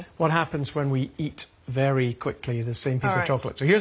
はい。